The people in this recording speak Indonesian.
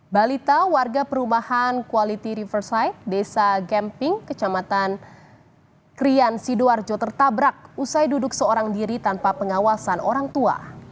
balita warga perumahan quality reverside desa gamping kecamatan krian sidoarjo tertabrak usai duduk seorang diri tanpa pengawasan orang tua